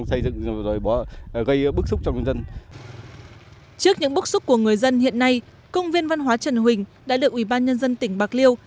trước những bức xúc của người dân hiện nay công viên văn hóa trần huỳnh đã được ủy ban nhân dân tỉnh bạc liêu